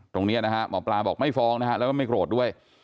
ตรงนี้นะฮะหมอปลาบอกไม่ฟ้องนะฮะแล้วก็ไม่โกรธด้วย